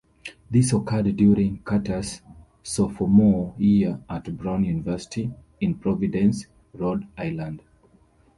This occurred during Carter's sophomore year at Brown University in Providence, Rhode Island.